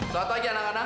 suatu lagi anak anak